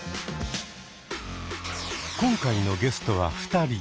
今回のゲストは２人。